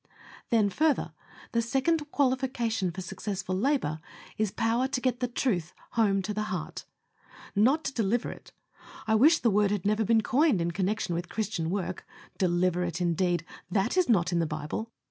Then, further, the second qualification for successful labor is power to get the truth home to the heart. Not to deliver it! I wish the word had never been coined in connection with Christian work. "Deliver" it, indeed that is not in the Bible!